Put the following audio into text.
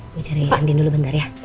gue cari andin dulu bentar ya